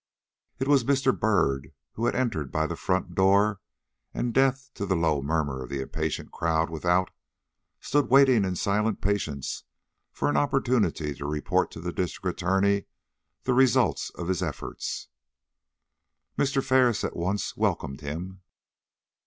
It was Mr. Byrd, who had entered by the front door, and deaf to the low murmur of the impatient crowd without, stood waiting in silent patience for an opportunity to report to the District Attorney the results of his efforts. Mr. Ferris at once welcomed him.